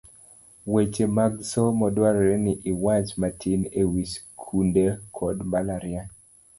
Weche mag Somo, dwarore ni iwach matin e wi skunde kod mbalariany